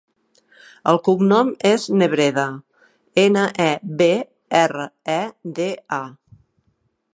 El cognom és Nebreda: ena, e, be, erra, e, de, a.